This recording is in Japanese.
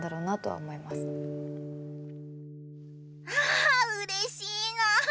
あうれしいなあ！